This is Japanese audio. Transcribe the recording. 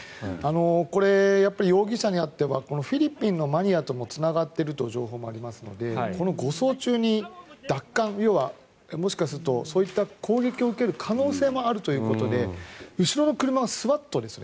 これ、容疑者にあってはフィリピンのマフィアともつながっているという情報もありますので護送中に奪還要はもしかすると攻撃を受ける可能性もあるということで後ろの車はＳＷＡＴですね。